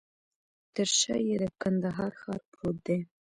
تر شاه یې د کندهار ښار پروت دی.